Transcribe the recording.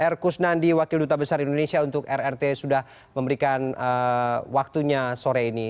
r kusnandi wakil duta besar indonesia untuk rrt sudah memberikan waktunya sore ini